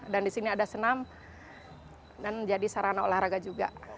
dan disini ada senam dan jadi sarana olahraga juga